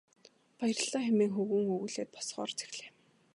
Баярлалаа хэмээн хөвгүүн өгүүлээд босохоор зэхлээ.